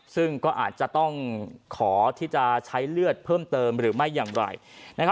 ซึ่งก็อาจจะต้องขอที่จะใช้เลือดเพิ่มเติมหรือไม่อย่างไร